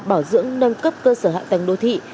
bảo dưỡng nâng cấp cơ sở hạ tầng đô thị